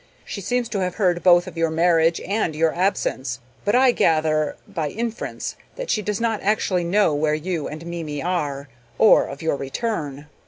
She seems to have heard both of your marriage and your absence; but I gather, by inference, that she does not actually know where you and Mimi are, or of your return.